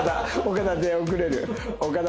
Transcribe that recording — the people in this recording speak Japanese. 岡田出遅れる。